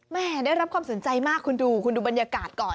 แม่ได้รับความสนใจมากคุณดูบรรยากาศก่อน